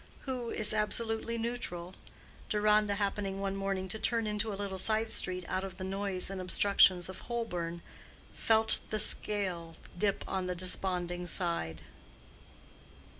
Who is absolutely neutral? Deronda happening one morning to turn into a little side street out of the noise and obstructions of Holborn, felt the scale dip on the desponding side.